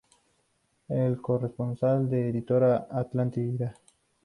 Es corresponsal de Editorial Atlántida.